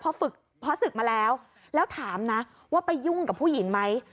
พอศึกมาแล้วแล้วถามนะว่าไปยุ่งกับผู้หญิงไหม